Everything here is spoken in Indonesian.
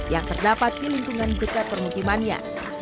yang terdapat di lingkungan dekat permukimannya